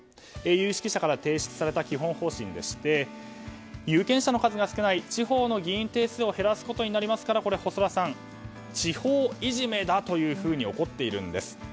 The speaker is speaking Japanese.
有識者から提案された基本方針でして有識者が少ない地方の議員数を減らすことになりますから細田さんは地方いじめだというふうに怒っているんです。